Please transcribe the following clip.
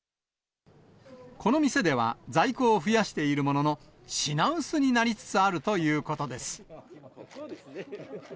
この店では、在庫を増やしているものの、品薄になりつつあるということです。